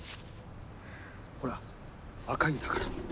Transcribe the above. ほら若いんだから。え？